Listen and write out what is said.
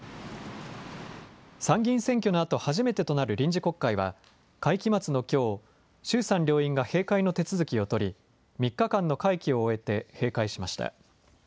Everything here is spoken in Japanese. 参議院選挙のあと初めてとなる臨時国会は会期末のきょう衆参両院が閉会の手続きを取り３日間の会期を終えて閉会しました。